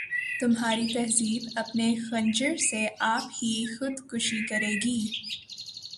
تمہاری تہذیب اپنے خنجر سے آپ ہی خودکشی کرے گی